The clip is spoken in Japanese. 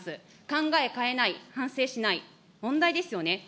考え変えない、反省しない、問題ですよね。